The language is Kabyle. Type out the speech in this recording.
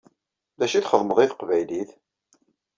D acu i txedmeḍ i teqbaylit?